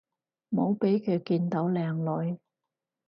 唔好畀佢見到靚女